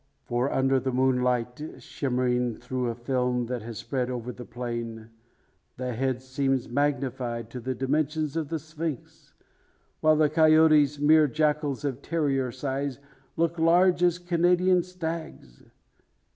For, under the moonlight, shimmering through a film that has spread over the plain, the head seems magnified to the dimensions of the Sphinx; while the coyotes mere jackals of terrier size look large as Canadian stags!